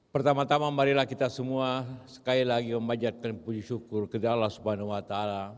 pertama tama marilah kita semua sekali lagi memanjatkan puji syukur kepada allah swt